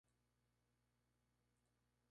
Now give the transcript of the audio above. El monasterio está dedicado a la Virgen María.